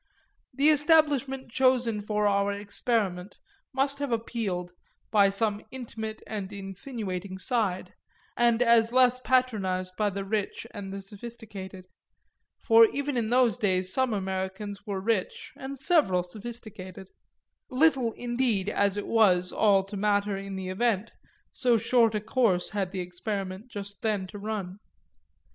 The establishment chosen for our experiment must have appealed by some intimate and insinuating side, and as less patronised by the rich and the sophisticated for even in those days some Americans were rich and several sophisticated; little indeed as it was all to matter in the event, so short a course had the experiment just then to run.